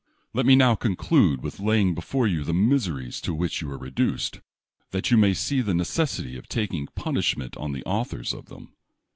Let me now eonclnde with laying before you the miseries to which you were rethieed, that you may see the necessity of talcing punishment on the authors of them.